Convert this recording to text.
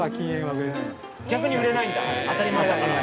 逆に売れないんだ当たり前だから。